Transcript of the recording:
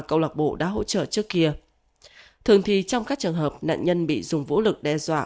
câu lạc bộ đã hỗ trợ trước kia thường thì trong các trường hợp nạn nhân bị dùng vũ lực đe dọa